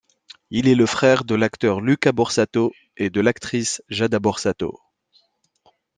Il est le frère de l'acteur Luca Borsato et de l'actrice Jada Borsato.